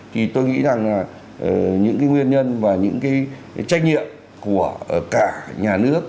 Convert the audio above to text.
thì tôi nghĩ rằng là những nguyên nhân và những trách nhiệm của cả nhà nước